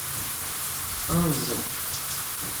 Rrẓet!